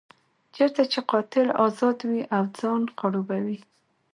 چېرته چې قاتل ازاد وي او ځان خړوبوي.